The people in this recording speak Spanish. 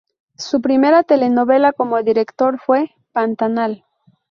Su primera telenovela como director fue "Pantanal".